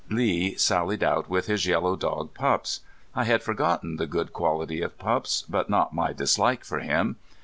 Lee sallied out with his yellow dog Pups. I had forgotten the good quality of Pups, but not my dislike for him.